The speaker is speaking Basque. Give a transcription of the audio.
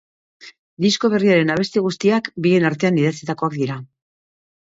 Disko berriaren abesti guztiak bien artean idatzitakoak dira.